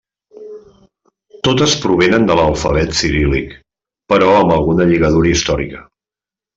Totes provenen de l'alfabet ciríl·lic però amb alguna lligadura històrica.